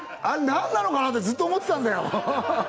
あれ何なのかな？ってずっと思ってたんだよ